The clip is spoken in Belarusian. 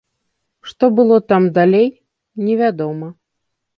Што было там далей, невядома.